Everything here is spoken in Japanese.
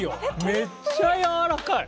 めっちゃやわらかい！